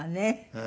ええ。